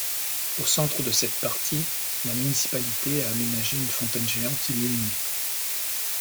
Au centre de cette partie, la municipalité a aménagé une fontaine géante illuminée.